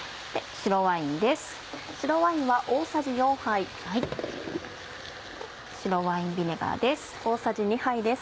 白ワインビネガーです。